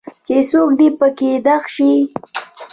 چې څوک دي پکې دغ شي.